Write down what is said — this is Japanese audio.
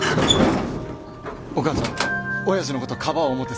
お母ちゃんおやじのことかばお思て。